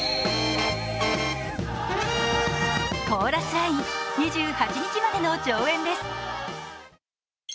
「コーラスライン」２８日までの上演です。